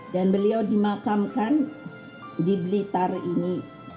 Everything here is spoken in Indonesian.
dan beliau dimakamkan di blitar ini